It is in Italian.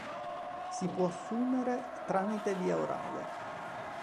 Si può assumere tramite via orale.